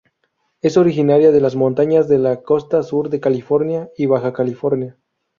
Es originaria de las montañas de la costa sur de California y Baja California.